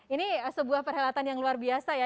ini sebuah perhelatan yang luar biasa ya